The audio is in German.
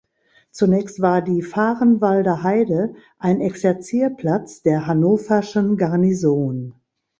Zunächst war die Vahrenwalder Heide ein Exerzierplatz der hannoverschen Garnison.